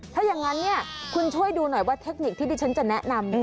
ถ้าอย่างนั้นเนี่ยคุณช่วยดูหน่อยว่าเทคนิคที่ดิฉันจะแนะนำ